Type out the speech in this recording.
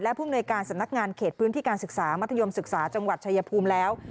ผู้มนวยการสำนักงานเขตพื้นที่การศึกษามัธยมศึกษาจังหวัดชายภูมิแล้ว